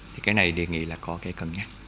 thì cái này đề nghị là có cái cần nha